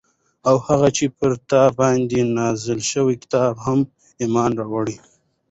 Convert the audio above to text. او هغو چې پر تا باندي نازل شوي كتاب هم ايمان راوړي